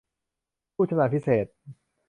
ผู้ชำนาญพิเศษ